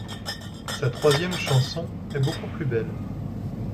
Sa troisième chanson est beaucoup plus belle.